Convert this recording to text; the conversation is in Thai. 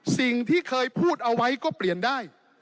สิ่งที่เคยพูดเอาไว้ก็เปลี่ยนได้